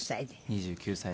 ２９歳です。